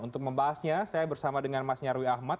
untuk membahasnya saya bersama dengan mas nyarwi ahmad